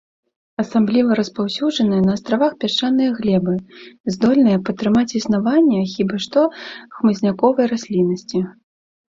Асабліва распаўсюджаныя на астравах пясчаныя глебы, здольныя падтрымаць існаванне хіба што хмызняковай расліннасці.